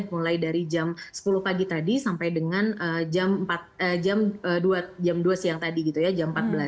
mulai dari jam sepuluh pagi tadi sampai dengan jam dua siang tadi gitu ya jam empat belas